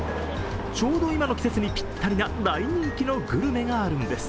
ちょうど今の季節にぴったりな大人気なグルメがあるんです。